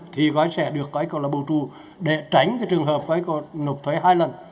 thì gọi sẽ được gọi gọi là bầu trù để tránh cái trường hợp gọi gọi nộp thuế hai lần